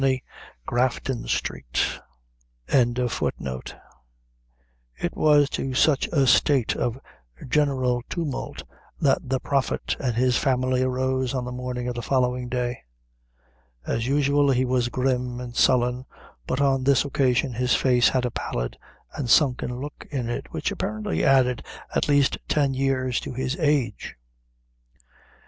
Grafton Street. It was to such a state of general tumult that the Prophet and his family arose on the morning of the following day. As usual, he was grim and sullen, but on this occasion his face had a pallid and sunken look in it, which apparently added at least ten years to his age.